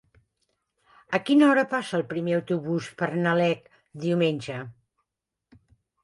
A quina hora passa el primer autobús per Nalec diumenge?